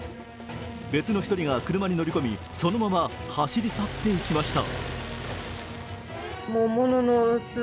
別の１人が車に乗り込みそのまま走り去っていきました。